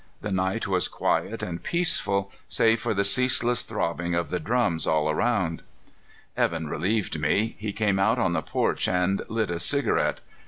The night was quiet and peaceful, save for the ceaseless throbbing of the drums all about. Evan relieved me. He came out on the porch and lit a cigarette.